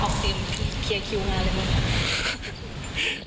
ขอขอบคุณที่เคลียร์คิวงานเลยบ้าง